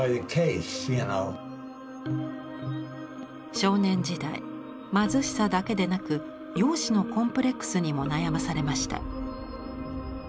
少年時代貧しさだけでなく容姿のコンプレックスにも悩まされました。